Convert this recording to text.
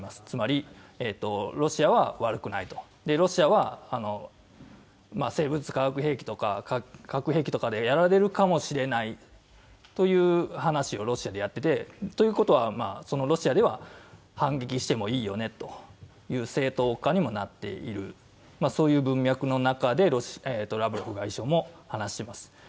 つまりロシアは悪くないと、ロシアは生物・化学兵器とか核兵器とかでやられるかもしれないという話をロシアでやっていて、ということはロシアでは反撃してもいいよねという正当化にもなっている、そういう文脈の中でラブロフ外相も話しています。